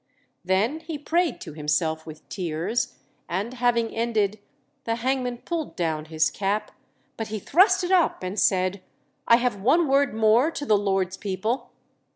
Then he prayed to himself with tears, and having ended, the hangman pulled down his cap, but he thrust it up and said, "I have one word more to the Lord's people.